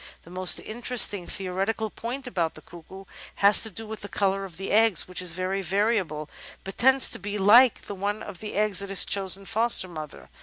The most interesting theoretical point about the Cuckoo has to do with the colour of the eggs, which is very variable, but tends to be like that of the eggs of the chosen foster mother.